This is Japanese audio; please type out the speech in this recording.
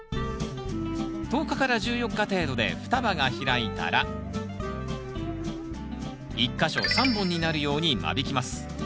１０日から１４日程度で双葉が開いたら１か所３本になるように間引きます。